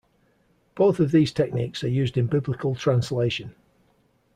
Both of these techniques are used in biblical translation.